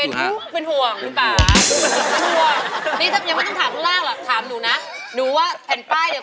จากแม่